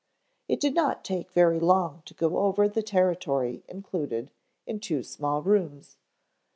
It did not take very long to go over the territory included in two small rooms.